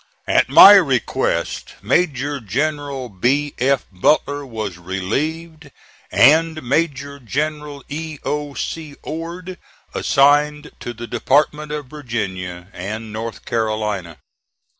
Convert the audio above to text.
At my request, Mayor General B. F. Butler was relieved, and Major General E. O. C. Ord assigned to the Department of Virginia and North Carolina.